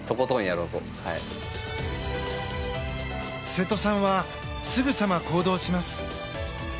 瀬戸さんはすぐさま行動します。